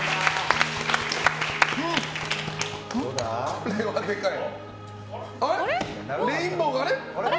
これはでかい。